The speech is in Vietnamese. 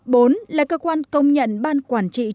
bốn là cơ quan công nhận ban quản trị trung cư